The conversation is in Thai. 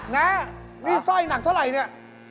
นะนี่สร้อยหนักเท่าไหร่เนี่ย